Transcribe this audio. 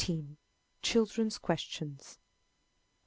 CHILDREN'S QUESTIONS.